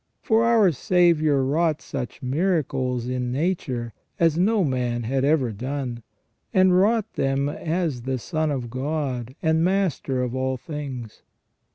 For our Saviour wrought such miracles in nature as no man had ever done, and wrought them as the son of God and Master of all things.